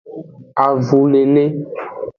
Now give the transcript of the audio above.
Avulele.